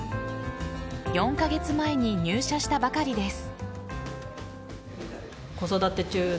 ４カ月前に入社したばかりです。